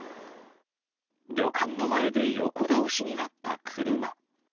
旅館の前で横倒しになった車。